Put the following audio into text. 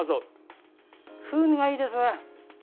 風味がいいですね。